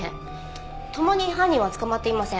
共に犯人は捕まっていません。